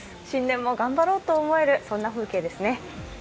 新年も頑張ろうと思えるそんな風景ですね。